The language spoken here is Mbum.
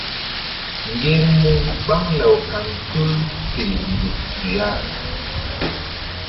Ŋgermu ɓaŋ law kan tul fe nzuk su ya.